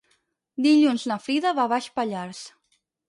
Dilluns na Frida va a Baix Pallars.